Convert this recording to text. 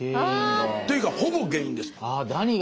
というかほぼ原因です。